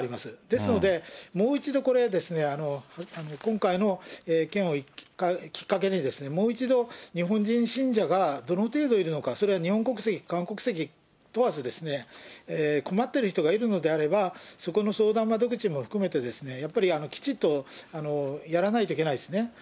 ですので、もう一度これ、今回の件をきっかけに、もう一度、日本人信者がどの程度いるのか、それは日本国籍、韓国籍問わず、困ってる人がいるのであれば、そこの相談窓口も含めて、やっぱりきちっとやらないといけないですね。